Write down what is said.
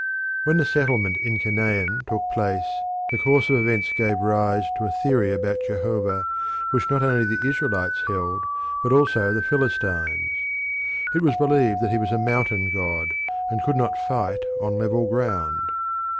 When the settlement in Canaan took place the course of events gave rise to a theory about Jehovah which not only the Israelites held but also the Philistines. It was believed that he was a mountain god and could not fight on level ground.